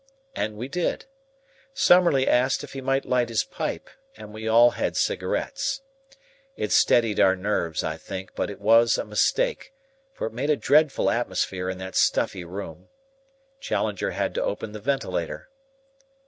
And we did. Summerlee asked if he might light his pipe, and we all had cigarettes. It steadied our nerves, I think, but it was a mistake, for it made a dreadful atmosphere in that stuffy room. Challenger had to open the ventilator.